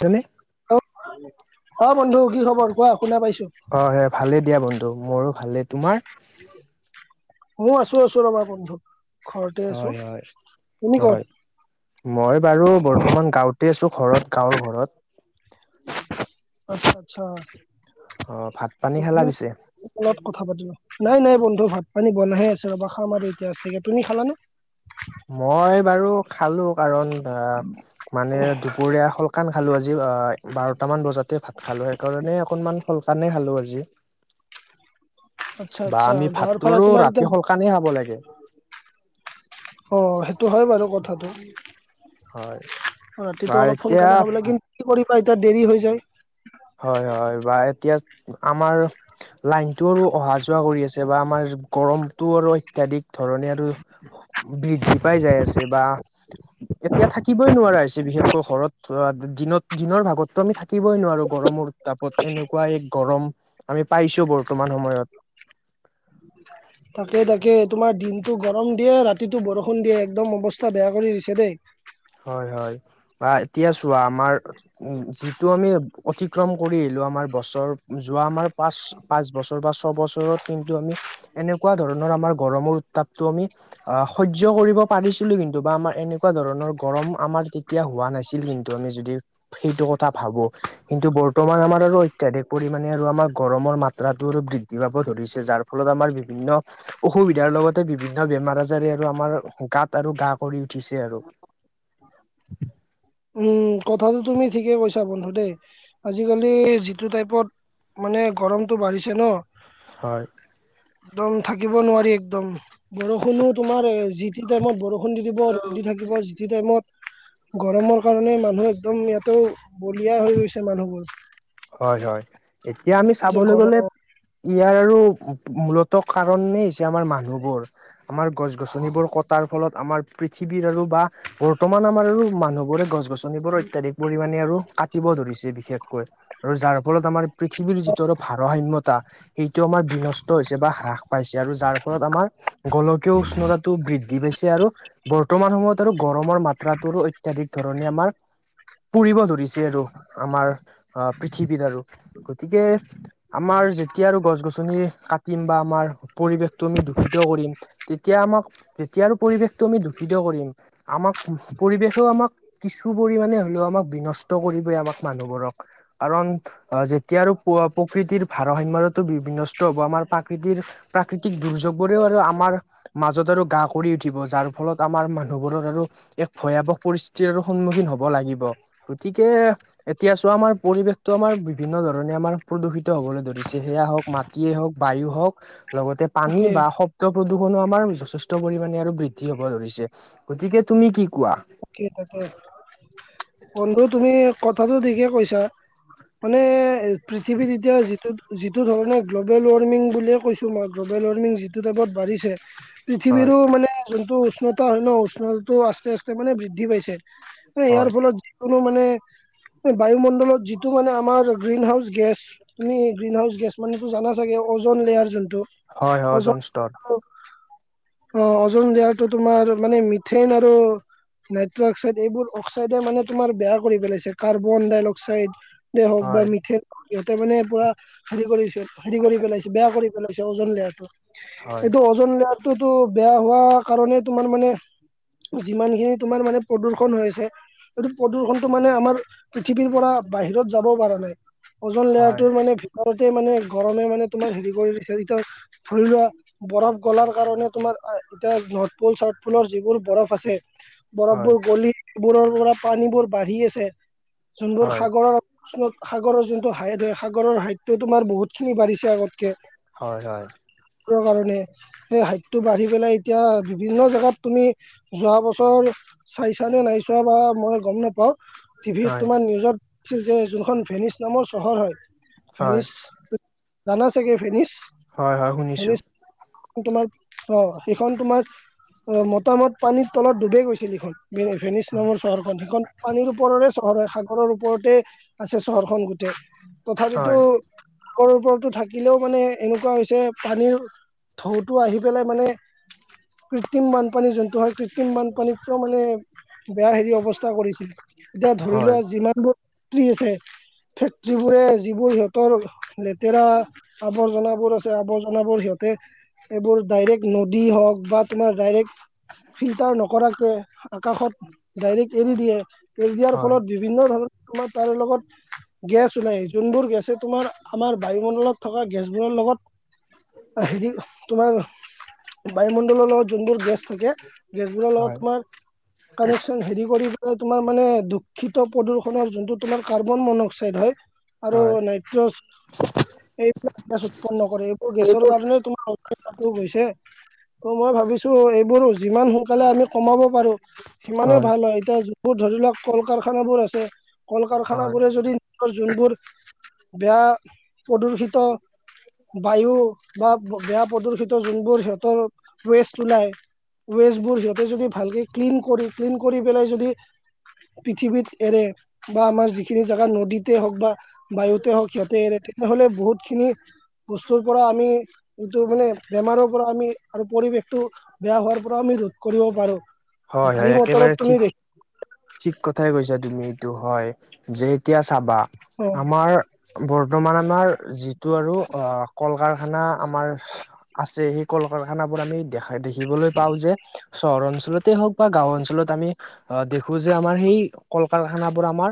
যেনে অ বন্ধু কি খবৰ কোৱা শুনা পাইছো। অ হে ভালে দিয়া বন্ধু মোৰো ভালেই তোমাৰ। মই আছো আছো ৰবা বন্ধু ঘৰতে আছো, হয় হয় তুমি হয় কত? মই বাৰু বৰ্তমান গাঁওতে আছো ঘৰত গাঁৱৰ ঘৰত। আচ্ছা আচ্ছা। অ ভাত পানী খালা পিছে। অলপ কথা পাতো নাই নাই বন্ধু ভাত পানী বনাইহে আছে ৰবা খাম আৰু এতিয়া তাকে তুমি খালা নে? মই বাৰু খালো কাৰণ। মানে দুপৰীয়া শলকান খালো আজি বাৰট মান বজাতে ভাত খালো সেইকাৰণে অকনমান। সোনকালেই খালো আজি। আচ্ছা, বা আচ্ছা আমি গাঁৱৰ ভাতটো ফালে আৰু তোমাৰ ৰাতি এতিয়া। শলকানেই খাব লাগে অ সেইটো হয় বাৰু কথাটো। হয়। বা ৰাতিটো অলপ এতিয়া সোনকালে খাবলে কিন্তু কি কৰিবা এতিয়া দেৰি হৈ যায়। হয় হয় বা এতিয়া আমাৰ লাইনতটো আৰু অহা যোৱা কৰি আছে বা আমাৰ। গৰমটো আৰু অত্যাধিক ধৰণে আৰু বৃদ্ধি পাই যাই আছে বা। এতিয়া থাকিবই নোৱাৰা হৈছে বিশেষকৈ ঘৰত দিনত দিনৰ ভাগতো আমি থাকিবই নোৱাৰো। গৰমৰ তাপত এনেকুৱা এক গৰম আমি পাইছো বৰ্তমান সময়ত। [unintelligible] তাকে তাকে তোমাৰ দিনটো গৰম দিয়ে ৰাতিটো বৰষুণ দিয়ে একদম অৱস্থা বেয়া কৰি দিছে দেই। হয়, হয় বা এতিয়া চোৱা আমাৰ। যিটো আমি অতিক্ৰম কৰি আহিলো আমাৰ বছৰ যোৱা আমাৰ পাঁচ। পাঁচ বছৰ বা ছয়বছৰত কিন্তু আমি এনেকুৱা ধৰণৰ আমাৰ গৰমৰ উত্তাপটো আমি। অ সহজ্য কৰিব পাৰিছিলো কিন্তু বা আমাৰ এনেকুৱা ধৰণৰ। গৰম আমাৰ তেতিয়া হোৱা নাছিল কিন্তু আমি যদি সেইটো কথা ভাবো। কিন্তু বৰ্তমান আমাৰ আৰু অত্যাধিক পৰিমাণে আৰু আমাৰ গৰমৰ মাত্ৰাটো আৰু বৃদ্ধি পাব ধৰিছে যাৰ। ফলত আমাৰ বিভিন্ন। অসুবিধাৰ লগতে বিভিন্ন বেমাৰ আজাৰে আৰু আমাৰ গাত আৰু গা কৰি উঠিছে আৰু। উম কথাটো তুমি ঠিকে কৈছা বন্ধু দেই আজিকালি যিটো টাইপত। মানে গৰমটো বাঢ়িছে ন। হয়। একদম থাকিব নোৱাৰি একদম। বৰষুণো তোমাৰ যি টি টাইমত বৰষুণ দি দিব থাকিব যি টি টাইমত। গৰমৰ কাৰণে মানুহ একদম ইয়াতে বলিয়া হৈ গৈছে মানুহবোৰ। হয় হয় এতিয়া আমি যে চাবলৈ গৰম গ'লে। ইয়াৰ আৰু মূলত কাৰণেই হৈছে আমাৰ মানুহবোৰ। আমাৰ গছ গছনিবোৰ কটাৰ ফলত আমাৰ পৃথিৱীৰ আৰু বা বৰ্তমান আমাৰ আৰু মানুহবোৰে গছ গছনিবোৰ অত্যাধিক পৰিমামানে আৰু কাটিব ধৰিছে বিশেষকৈ। আৰু যাৰ ফলত আমাৰ পৃথিৱীৰ যিটো আৰু ভাৰসাম্যতা। সেইটো আমাৰ বিনষ্ট হৈছে বা হ্ৰাস পাইছে আৰু যাৰ ফলত আমাৰ গোলকীয় উষ্ণতাটো বৃদ্ধি পাইছে আৰু বৰ্তমান সময়ত গৰমৰ মাত্ৰাতো অত্যাধিক ধৰণে আমাৰ পুৰিব ধৰিছে। তে আৰু আমাৰ পৃথিৱীৰ আৰু গতিকে আমাৰ যেতিয়া আৰু গছ গছনি কাটিম বা আমাৰ পৰিৱেশটো আমি দূষিত কৰিম তেতিয়া আমাক যেতিয়াৰ পৰিৱেশটো আমি দূষিত কৰিম। আমাক পৰিৱেশেও আমাক কিছু পৰিমানে হ'লেও আমাক বিনষ্ট কৰিবই আমাক মানুহবোৰক। কাৰণ অ' যেতিয়া আৰু প্ৰকৃতিৰ ভাৰসাম্যতো বিনষ্ট হ'ব আমাৰ প্ৰাকৃতিৰ প্ৰাকৃতিক দুৰ্যোগবোৰেই আৰু আমাৰ মাজত আৰু গা কৰি উঠিব যাৰ ফলত আমাৰ মানুহবোৰৰ আৰু ভয়াৱহ পৰিস্থিতিৰ সন্মুখীন হ'ব লাগিব। গতিকে এতিয়া চোৱা আমাৰ পৰিৱেশ আমাৰ বিভিন্ন ধৰণে আমাৰ প্ৰদূষিত হ'বলৈ ধৰিছে সেয়া হওঁক মাটিয়ে হওঁক বায়ু হওঁক লগতে পানী তাকে বা প্ৰদূষণো আমাৰ যথেষ্ট পৰিমণে আৰু বৃদ্ধি হ'ব ধৰিছে। গতিকে তুমি কি কোৱা? কি তাকে বন্ধু তুমি কথাটো ঠিকে কৈছা। মানে পৃথিৱীত এতিয়া যিটো যিটো ধৰণে গ্ল'বেল ৱাৰ্মিং বুলিয়ে কৈছো। তোমাৰ গ্ল'বেল ৱাৰ্মিং যিটো টাইত বাঢ়িছে। হয় পৃথিৱীৰো মানে যোনটো উষ্ণতা হয় ন উষ্ণতাটো আস্তে আস্তে মানে বৃদ্ধি পাইছে। হয় ইয়াৰ ফলত যিকোনো মানে বায়ুমণ্ডলত যিটো মানে আমাৰ গ্ৰীণ হাউচ গেছ। তুমি গ্ৰীণ হাউচ গেছ মানে জানা চাগে অজন লেয়াৰ যোনটো। হয়, অজন স্তৰ। অ', অজন লেয়াৰটো তোমাৰ মানে মিথেন আৰু নাইট্ৰ অক্সাইড এইবোৰ অক্সাইডে মানে তোমাৰ বেয়া কৰি পেলাইছে কাৰ্বন ডাই অক্সাইড। হওঁক বা হয় মিথেন সিহঁতে মানে পুৰা হেৰি কৰিছিল হেৰি কৰি পেলাইছে। বেয়া কৰি পেলাইছে অজন লেয়াৰটো হয় এইটো অ অজন লেয়াৰটোতো বেয়া হোৱা কাৰণে তোমাৰ মানে যিমানখিনি তোমাৰ মানে প্ৰদূষণ হৈ আছে। এইটো প্ৰদূ্ষণটো মানে আমাৰ পৃথিৱীৰ পৰা বাহিৰত যাবও পৰা নাই। অজন হয় লেয়াৰটোৰ মানে ভিতৰতে মানে গৰমে মানে তোমাৰ হেৰি কৰিছে যিটো ধৰি লোৱা বৰফ গলাৰ কাৰণে তোমাৰ এতিয়া নৰ্থ পুল চাউথ পুলৰ যিবোৰ বৰফ আছে। হয় বৰফবোৰ গলিবোৰৰ পৰা পানীবোৰ বাঢ়ি আছে যোনবোৰ হয় সাগৰৰ ত সাগৰৰ যোনটো হাইট হয় সাগৰৰ হাইতটো তোমাৰ বহুতখিনি বাঢ়িছে আগতকে। হয়, হয়। কাৰণে সেই হাইতটো বাঢ়ি পেলাই এতিয়া বিভিন্ন জোগাত তুমি যোৱা ব ওছৰ চাইছা নে নাই চোৱা বা মই গম নাপাওঁ টিভিত হয় তোমাৰ নিউজত ছিল যে যোনখন ভেনিছ নামৰ চহৰ হয় হয় ভেনিছ জানা চাগে ভেনিছ। হয়, হয়, শুনিছো। তোমাৰ অ' সেইখন তোমাৰ অ' মতামত পানীৰ তলত ডুবে গৈছিল এইখন। ফেনিচ নামৰ নম্বৰ চহৰ সিখন পানীৰ ওপৰৰে চহৰ সাগৰৰ ওপৰতে আছে চহৰখন গোটেই তথাপিতো হয় ক'ৰ ওপৰতো থাকিলেও মানে এনেকুৱা হৈছে পানীৰ ঢৌটো আহি পেলাই মানে কৃত্ৰিম বানপানী যোনটো হয় কৃত্ৰিম বানপানীত কৈ মানে বেয়া হেৰি অৱস্থা কৰিছিল এতিয়া ধৰি হয় লোৱা যিমানবোৰ কিও আছে ফেক্টৰীবোৰৰ যিবোৰ সিহঁতৰ লেতেৰা আৱৰ্জনাবোৰ আছে আৱৰ্জনাবোৰ সিহঁতে এইবোৰ ডাইৰেক্ট নদী হওক বা তোমাৰ ডাইৰেক্ট [unintelligible] ফিল্টাৰ নকৰাকে আকাশত ডাইৰেক্ট এৰি দিয়ে এৰি দিয়াৰ হয় ফলত বিভিন্ন ধৰণৰ আমাৰ তাৰ লগত গেছ ওলাই যোনবোৰ গেছে তোমাৰ আমাৰ বায়ুমণ্ডলত থকা গেছবোৰৰ লগত। হেৰি তোমাৰ বায়ুমণ্ডলৰ লগত যোনবোৰ গেছ থাকে। গেছবোৰৰ লগত হয় হয় তোমাৰ কানেকশ্বন হেৰী কৰি তোমাৰ মানে দূষিত প্ৰদূষনৰ যোনটো তোমাৰ কাৰ্বন মনক্সাইড হয়। আৰু হয় নাইট্ৰজ এইবিলাক গেছ উৎপন্ন কৰে এইবোৰ গেছৰ কাৰণে তোমাৰ টো গৈছে ত মই ভাবিছো এইবোৰ যিমান সোনকালে আমি কমাব পাৰোঁ। সিমানে ভাল হয় এতিয়া যোৰ ধৰি লওক কল কাৰখানাবোৰ আছে কল কাৰখানা বোৰে যদি যোনবোৰ বেয়া প্ৰদূষিত বায়ু বা বেয়া প্ৰদূষিত যোনবোৰ সিহঁতৰ ৱেষ্ট ওলাই ওৱে সেইবোৰ সিহঁতে যদি ভালকে ক্লিন কৰি ক্লিন কৰি পেলাই যদি পৃথিৱীত এৰে। বা আমাৰ যিখিনি জেগা নদীতে হওক বা বায়ুতে হওক সিয়াতে এৰে তেনেহলে বহুতখিনি বস্তুৰ পৰা আমি এইটো মানে বেমাৰৰ পৰা আমি আৰু পৰিৱেশটো বেয়া হোৱাৰ পৰা আমি ৰোধ কৰিব পাৰোঁ। হয় হয় গাড়ী একেবাৰে মটৰত ঠিক তুমি দেখি ঠিক কথাই কৈছা তুমি এইটো হয় যে এতিয়া চাবা অ আমাৰ বৰ্তমান আমাৰ যিটো আৰু কল কাৰখানা আমাৰ আছে সেই কলকাৰখানাবোৰ আমি দেখা দেখিবলৈ পাওঁ যে চহৰ অঞ্চলতে হওক বা গাও অঞ্চলত আমি দেখো খোজে আমাৰ সেই কল কাৰখানাবোৰ আমাৰ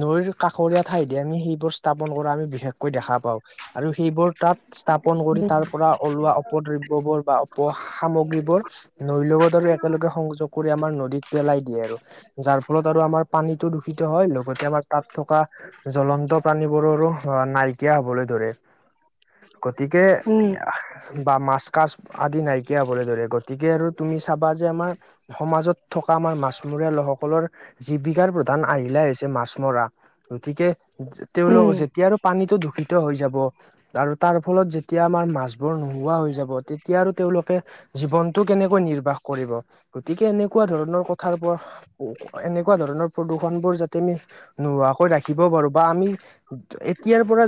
নৈৰ কাষৰীয়া ঠাইতে আমি সেইবোৰ স্থাপন কৰা আমি বিশেষকৈ দেখা পাওঁ আৰু সেইবোৰ তাত স্থাপন কৰি তাৰ পৰা ওলোৱা অপদ্ৰব্যবোৰ বা অ সামগ্ৰীবোৰ নৈৰ লগত আৰু একেলগে সংযোগ কৰি আমাৰ নদীত পেলাই দিয়ে আৰু যাৰ ফলত আৰু আমাৰ পানীতটো দূষিত হয় লগতে আমাৰ তাত থকা জ্বলন্ত প্ৰাানীবোৰৰো নাইকিয়া হবলৈ ধৰে গতিকে উম বা মাছ কাচ আদি নাইকিয়া হবলৈ ধৰে গতিকে আৰু তুমি চাবা যে আমাৰ সমাজত থকা আমাৰ মাছমৰীয়া লোকসকলৰ জীৱিকাৰ প্ৰধান আহিলা হৈছে মাছ মৰা গতিকে উম তেওঁলোক যেতিয়া আৰু পানীতো দূষিত হৈ যাব আৰু তাৰ ফলত যেতিয়া আমাৰ মাছবোৰ নোহোৱা হৈ যাব তেতিয়া আৰু তেওঁলোকে জীৱনতটো কেনেকৈ নিৰ্বাহ কৰিব গতিকে এনেক এনেকুৱা ধৰণৰ কথাৰ পৰা এনেকুৱা ধৰণৰ প্ৰদূৰষণ বোৰ যাতে আমি নোহোৱাকৈ ৰাখিব পাৰো বা আমি এতিয়াৰ পৰা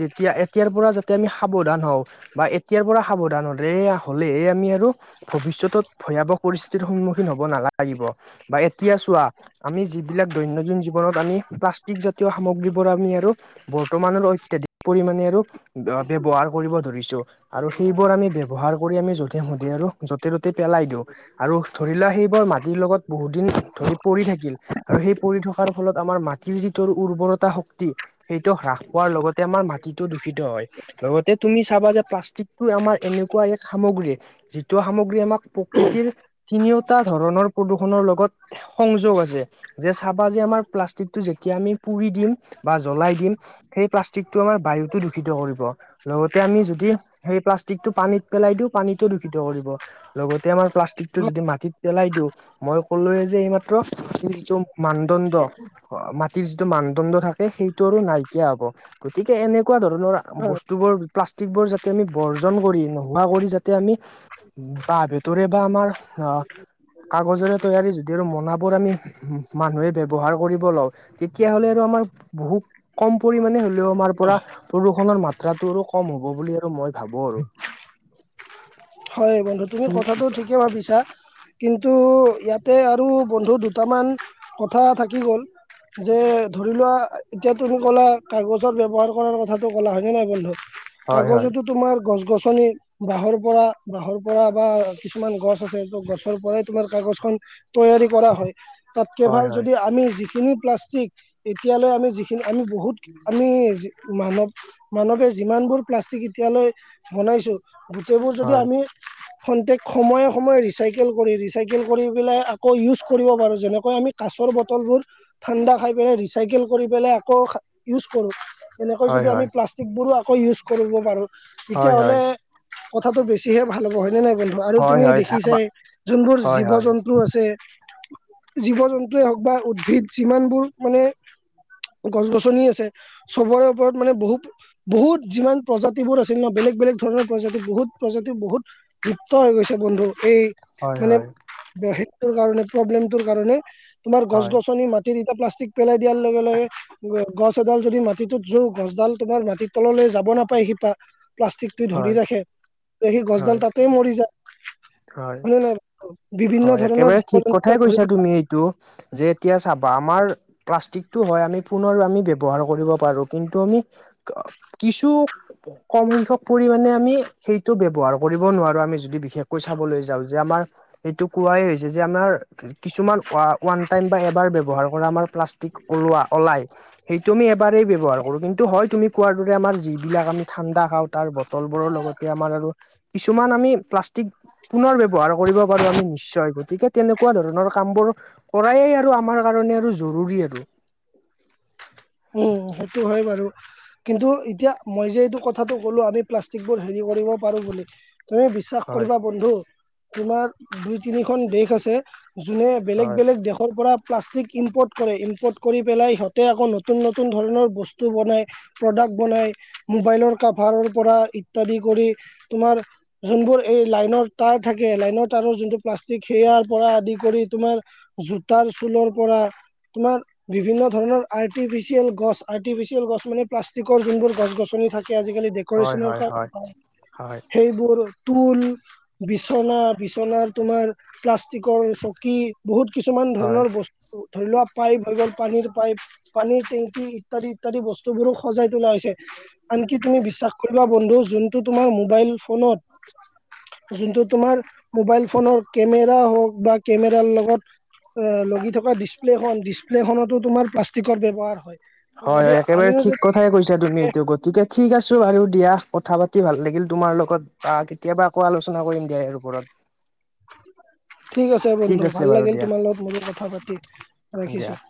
যেতিয়া এতিয়াৰ পৰা যাতে আমি সাৱধান হওঁ বা এতিয়াৰ পৰা সাৱধান হৰে হ'লে আমি আৰু ভৱিষ্যতত ভয়াৱহ পৰিস্থিতিৰ সন্মুখীন হব নালাগিব বা এতিয়া চোৱা, আমি যিবিলাক দৈনন্দিন জীৱনত আমি প্লাষ্টিক জাতীয় সামগ্ৰীবোৰ আমি আৰু বৰ্তমান [inaudible] অত্যাধিক পৰিমানে আৰু ব-ব্যাৱহাৰ কৰিব ধৰিছোঁ। আৰু সেইবোৰ আমি ব্যৱহাৰ কৰি আমি যতে- মধে আৰু য'তে-ত'তে পেলাই দিওঁ আৰু ধৰি লোৱা সেইবোৰ মাটিৰ লগত বহু দিন ধৰি পৰি থাকিল আৰু সেই পৰি থকাৰ ফলত আমাৰ মাটিৰ যিটোৰ উৰ্বৰতা শক্তি সেইটো হ্ৰাস পোৱাৰ লগতে আমাৰ মা টিটো দূষিত হয় লগতে তুমি চাবা যে, প্লাষ্টিকটো আমাৰ এনেকুৱা এক সামগ্ৰী যিটো সামগ্ৰী আমাক প্ৰকৃতিৰ তিনিওটা ধৰণৰ প্ৰদূৰ্ষণৰ লগত সংযোগ আছে। যে চাবা, যে আমাৰ প্লাষ্টিকটো যেতিয়া আমি পুৰি দিম বা জ্বলাই দিম সেই প্লাষ্টিকটো আমাৰ বায়ুতো দূষিত কৰিব। লগতে আমি যদি সেই প্লাষ্টিকটো পানীত পেলাই দিওঁ, পানীতো দূষিত কৰিব। লগতে আমাৰ প্লাষ্টিক টো হয় যদি মাটিত পেলাই দিওঁ, মই কলোৱে যে এইমাত্ৰ মাটিৰ যিটো মানদণ্ড মাটিৰ যিটো মানদণ্ড থাকে সেইটো আৰু নাইকিয়া হ'ব। গতিকে এনে কুৱা ধৰণৰ হয় বস্তুবোৰ প্লাষ্টিক বোৰ যাতে আমি বৰ্জন কৰি নোহোৱা কৰি যাতে আমি উম, বা ভিতৰে বা আমাৰ অ' কাগজৰে তৈয়াৰী তে আৰু মনাবোৰ আমি মানুহে ব্যৱহাৰ কৰিব লওঁ তেতিয়াহ'লে আৰু আমাৰ বহু কম পৰিমানে হ'লেও আমাৰ পৰা [unintelligible] ষণৰ মাত্ৰাটো আৰু কম হ'ব বুলি আৰু মই ভাবোঁ আৰু। হয় বন্ধু, তুমি কি কথাটো কোৱা? ঠিকে ভাবিছা। কিন্তু ইয়াতে আৰু বন্ধু দুটামান কথা থাকি গ'ল। যে ধৰি লোৱা এতিয়া তুমি ক'লা কাগজৰ ব্যৱহাৰ কৰাৰ কথাটো ক'লা, হয়নে নহয় বন্ধু? হয় হয় কাগজতো তোমাৰ গছ-গছনি, বাঁহৰ পৰা বাঁহৰ পৰা বা কিছুমান গছ আছে ত' গছৰ পৰাই তোমাৰ কাগজ খন তৈয়াৰী কৰা হয়। তাতকে ভাল হয় হয় যদি আমি যিখিনি প্লাষ্টিক এতিয়ালৈ আমি যিখিনি আমি বহুত উম, আমি যি মানৱ মানৱে যিমানবোৰ প্লাষ্টিক এতিয়ালৈ বনাইছোঁ তে হয় আমি সন্তেক সময়ে, সময়ে ৰিচাইকেল কৰি, ৰিচাইকেল কৰি পেলাই আকৌ ইউজ কৰিব পাৰোঁ যেনেকৈ আমি কাচৰ বটলবোৰ ঠাণ্ডা খাই পেলে ৰিচাইকেল কৰি পেলে আকৌ ইউজ কৰোঁ। এনেকৈ যদি আমি হয় প্লাষ্টিকবোৰো আকৌ ইউজ কৰিব পাৰোঁ হয় তেতিয়াহ'লে হয় কথাটো বেছিহে ভাল হ'ব হয় নে নাই বন্ধু‌? বাৰু হয় হয় তুমি হয় হয় দেখিছাই যোনবোৰ হয় হয় জীৱ-জন্তু আছে জীৱ-জন্তুৱে হওঁক বা উদ্ভিদ যিমানবোৰ মানে গছ-গছনি আছে চবৰে ওপৰত মানে বহু বহুত যিমান প্ৰজাতিবোৰ আছিল ন, বেলেগ, বেলেগ ধৰণৰ প্ৰজাতি বহুত প্ৰজাতি বহুত লিপ্ত হৈ গৈছে বন্ধু, এই মানে হয় এইটোৰকাৰণে প্ৰবলেম টোৰ কাৰনে তোমাৰ হয় গছ-গছনি মাটি যেতিয়া প্লাষ্টিক পেলাই দিয়াৰ লগে, লগে গছ এডাল যদি মাটিটোত জো গছডাল তোমাৰ মাটিৰ তললৈ যাব নাপায় শিপা। প্লাষ্টিকটোই ধৰি হয় ৰাখে ত' সেই হয় গছডাল তাতেই মৰি যায়, হয় হয়নে নহয়? বিভিন্ন ধৰণৰ জীৱ- জন্তুৱে ধৰি লোৱা টো যে এতিয়া চাবা আমাৰ প্লাষ্টিকটো হয় আমি পুনৰ আমি ব্যৱহাৰ কৰিব পাৰোঁ কিন্তু আমি অ কিছু কম সংখ্যক পৰিমাণে আমি সেইটো ব্যৱহাৰ কৰিব নোৱাৰো আমি যদি বিশেষকৈ চাবলৈ যাওঁ যে আমাৰ, এইটো কোৱাই হৈছে যে আমাৰ কিছুমান ওৱা ওৱান টাইম বা এবাৰ ব্যৱহাৰ কৰা আমাৰ প্লাষ্টিক ওলোৱা অলাই সেইটো আমি এবাৰেই ব্যৱহাৰ কৰোঁ কিন্তু হয় তুমি কোৱাৰ দৰে আমাৰ যিবিলাক আমি ঠাণ্ডা খাওঁ তাৰ ব টল বোৰৰ লগতে আমাৰ আৰু কিছুমান আমি প্লাষ্টিক পোনৰ ব্যৱহাৰ কৰিব, পাৰো আমি নিশ্চয় গতিকে তেনেকুৱা ধৰণৰ কাম বোৰ, কৰাই আৰু আমাৰ কাৰণে আৰু জৰুৰী আৰু উম সেইটো হয় বাৰু কিন্তু এতিয়া মই যে এইটো কথাটো ক'লো আমি প্লাষ্টিক বোৰ হেৰি কৰিব পাৰো বুলি ত এই বিছ শ্বাস হয় কৰিবা বন্ধু তোমাৰ দুই তিনিখন দেশ আছে, যোনে বেলেগ হয় বেলেগ দেশৰ পৰা প্লাষ্টিক ইম্পৰ্ট কৰে ইম্পৰ্ট কৰি পেলাই সিহঁতে আকৌ ন তুন নতুন ধৰণৰ বস্তু বনাই প্ৰডাক্ট বনাই মোবাইলৰ কাভাৰৰ পৰা ইত্যাদি কৰি তোমাৰ যোনবোৰ এই লাইনৰ তাৰ থাকে লাইনৰ তাৰৰ যোনটো প্লাষ্টিক সেয়াৰ পৰা আদি কৰি তোমাৰ জোতাৰ চুলৰ পৰা তোমাৰ বিভিন্ন ধৰণৰ আইট ৰ্টিফিচিয়েল গছ আৰ্টিফিচিয়েল গছ মানে প্লাষ্টিকৰ যোনবোৰ গছ গছনি থাকে আজিকালি দেক হয় কৰেচনৰ হয় কাৰ হয় অ হয় হয় সেইবোৰ তুল, বিচনা বিচনাৰ তোমাৰ প্লাষ্টিকৰ চকী বহুত কিছুমান হয় ধৰণৰ বস্তু ধৰি লোৱা পাইপ হৈ গ'ল পানীৰ পাইপ পানীৰ টেংকি ইত্যাদি ইত্যাদি বস্তু বোৰো সজাই তোলা হৈছে। আনকি তুমি বিশ্বাস কৰিবা বন্ধু যোনটো তোমাৰ মোবাইল ফোনত যোনটো তোমাৰ মোবাইল ফোনৰ কেমেৰা হওক বা কেমেৰাৰ লগত এ লগি থকা ডিচপ্লেখন ডিচপ্লেখনতো তোমাৰ প্লাষ্টিকৰ ব্যৱহাৰ হয়। হয় যদি হয় একেবাৰে আমিও ঠিক যদি কথাই কৈছা তুমি এইটো গতিকে ঠিক আছো বাৰু দিয়া কথা পাতি ভাল লাগিল তোমাৰ লগত। বা কেতিয়াবা আকৌ আলোচনা কৰিম দিয়া ইয়াৰ ওপৰত ঠিক আছে ঠিক বন্ধু আছে ভাল বাৰু লাগিল দিয়া তোমাৰ লগত মোৰো কথা পাতি দিয়া ৰাখিছোঁ।